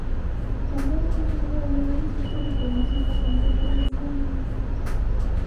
El valle es uno de los lugares históricos más importantes de Islandia.